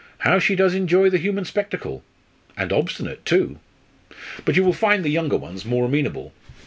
"How she does enjoy the human spectacle. And obstinate too. But you will find the younger ones more amenable."